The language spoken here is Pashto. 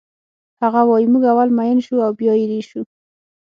هغه وایی موږ اول مین شو او بیا ایرې شو